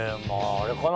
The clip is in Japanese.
あれかな？